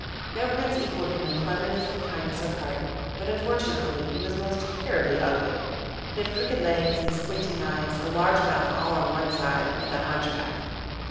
No prince equalled him in cleverness and kindness of heart, but unfortunately he was most terribly ugly. He had crooked legs and squinting eyes, a large mouth all on one side, and a hunchback.